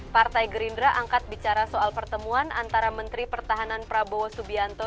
partai gerindra angkat bicara soal pertemuan antara menteri pertahanan prabowo subianto